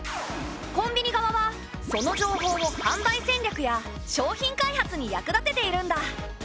コンビニ側はその情報を販売戦略や商品開発に役立てているんだ。